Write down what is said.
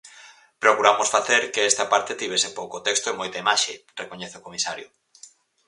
"Procuramos facer que esta parte tivese pouco texto e moita imaxe", recoñece o comisario.